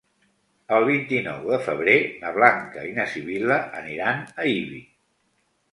El vint-i-nou de febrer na Blanca i na Sibil·la aniran a Ibi.